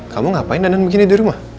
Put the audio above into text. kamu ngapain nganan begini di rumah